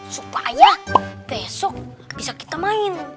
supaya besok bisa kita main